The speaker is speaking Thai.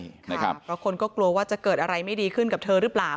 เพราะคนก็กลัวว่าจะเกิดอะไรไม่ดีขึ้นกับเธอหรือเปล่า